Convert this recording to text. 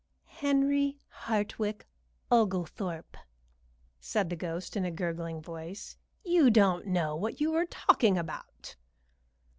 "Henry Hartwick Oglethorpe," said the ghost, in a gurgling voice, "you don't know what you are talking about."